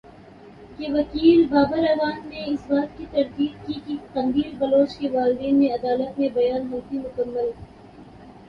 کے وکیل بابر اعوان نے اس بات کی تردید کی کہ قندیل بلوچ کے والدین نے عدالت میں بیان حلفی مکمل کرائے ہیں جس